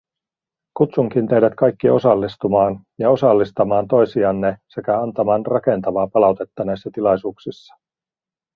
Kutsunkin teidät kaikki osallistumaan ja osallistamaan toisianne sekä antamaan rakentavaa palautetta näissä tilaisuuksissa.